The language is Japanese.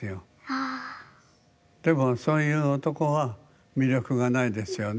でもそういう男は魅力がないですよね？